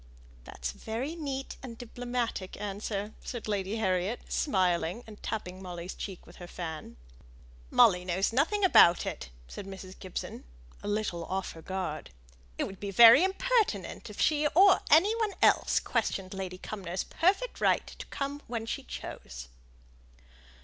"That's a very neat and diplomatic answer," said Lady Harriet, smiling, and tapping Molly's cheek with her fan. "Molly knows nothing about it," said Mrs. Gibson, a little off her guard. "It would be very impertinent if she or any one else questioned Lady Cumnor's perfect right to come when she chose."